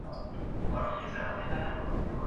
ايا سواهد کافي دي؟